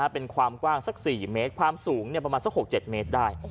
เป็นความกว้างสัก๔เมตรความสูงประมาณสัก๖๗เมตรได้